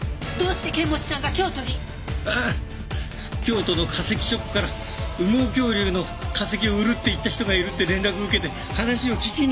京都の化石ショップから羽毛恐竜の化石を売るって言った人がいるって連絡を受けて話を聞きに。